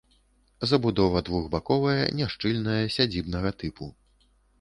Забудова двухбаковая, няшчыльная, сядзібнага тыпу.